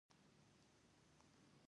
هغه مړ شو.